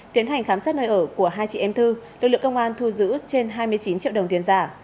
tiến hành khám xét nơi ở của hai chị em thư lực lượng công an thu giữ trên hai mươi chín triệu đồng tiền giả